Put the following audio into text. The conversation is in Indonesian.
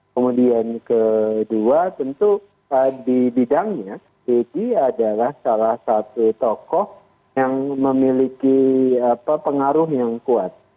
kemudian kedua tentu di bidangnya deddy adalah salah satu tokoh yang memiliki pengaruh yang kuat